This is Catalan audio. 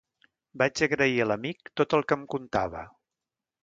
Vaig agrair a l'amic tot el que em contava.